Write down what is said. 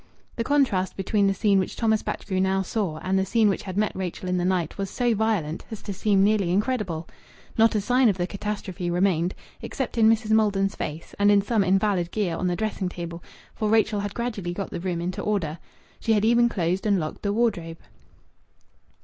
The contrast between the scene which Thomas Batchgrew now saw and the scene which had met Rachel in the night was so violent as to seem nearly incredible. Not a sign of the catastrophe remained, except in Mrs. Maldon's face, and in some invalid gear on the dressing table, for Rachel had gradually got the room into order. She had even closed and locked the wardrobe.